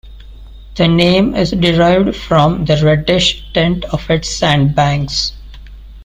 The name is derived from the reddish tint of its sandbanks.